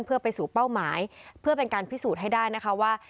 เพื่อไปสู่เป้าหมายเพื่อเป็นการพิสูจน์ให้ได้นะคะว่า